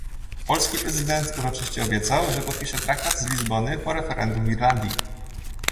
Polski prezydent uroczyście obiecał, że podpisze traktat z Lizbony po referendum w Irlandii